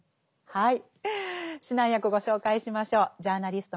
はい。